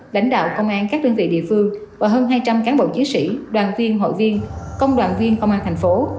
lãnh đạo công an các đơn vị địa phương và hơn hai trăm linh cán bộ chiến sĩ đoàn viên hội viên công đoàn viên công an thành phố